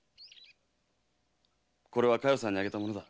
これは佳代さんにあげたものだ。